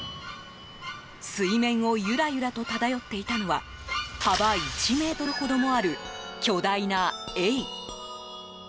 水面をゆらゆらと漂っていたのは幅１ｍほどもある巨大なエイ。